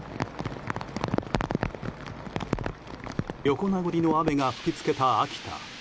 横殴りの雨が吹き付けた秋田。